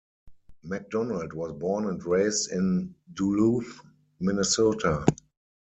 McDonald was born and raised in Duluth, Minnesota.